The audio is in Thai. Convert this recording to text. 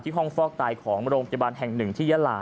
ที่ห้องฟอกตายของโรงพยาบาลแห่ง๑ที่ยะลา